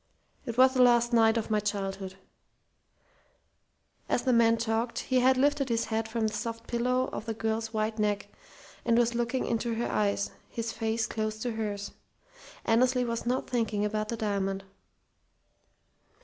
It was the last night of my childhood." As the man talked, he had lifted his head from the soft pillow of the girl's white neck, and was looking into her eyes, his face close to hers. Annesley was not thinking about the diamond.